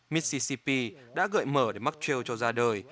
mississippi đã gợi mở để mắc trêu cho ra đời